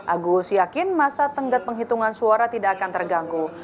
agus yakin masa tenggat penghitungan suara tidak akan terganggu